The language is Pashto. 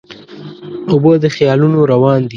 اوبه د خیالونو روان دي.